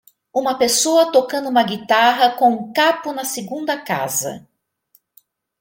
Uma pessoa tocando uma guitarra com um capo na segunda casa.